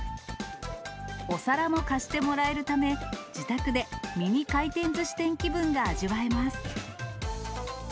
お皿も貸してもらえるため、自宅でミニ回転ずし店気分が味わえます。